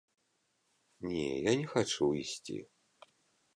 Не, я не хачу ісці.